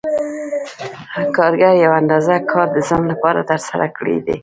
کارګر یوه اندازه کار د ځان لپاره ترسره کړی دی